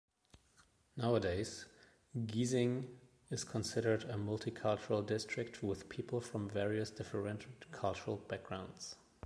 Nowadays, Giesing is considered a multi-cultural district with people from various different cultural backgrounds.